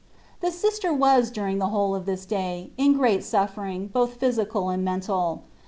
The Sister was during the whole of this day in great suffering, both physical and mental.